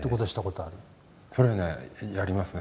それはやりますね。